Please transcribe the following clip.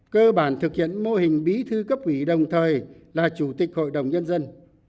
cơ bản thực hiện mô hình bí thư cấp ủy đồng thời là chủ tịch hội đồng nhân dân